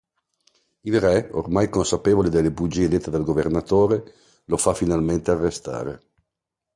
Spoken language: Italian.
Il re, ormai consapevole delle bugie dette dal governatore, lo fa finalmente arrestare.